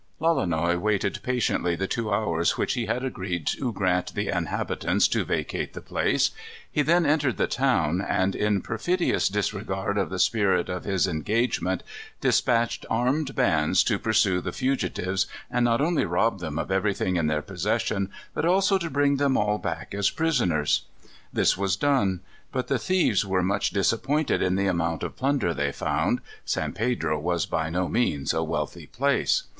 Lolonois waited patiently the two hours which he had agreed to grant the inhabitants to vacate the place. He then entered the town, and, in perfidious disregard of the spirit of his engagement, dispatched armed bands to pursue the fugitives, and not only rob them of everything in their possession, but also to bring them all back as prisoners. This was done. But the thieves were much disappointed in the amount of plunder they found, San Pedro was by no means a wealthy place.